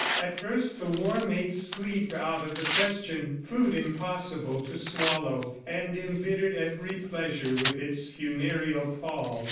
At first, the war made sleep out of the question, food impossible to swallow, and embittered every pleasure with its funereal pall.